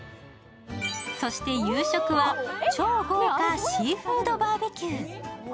そして夕食は、超豪華シーフード・バーベキュー。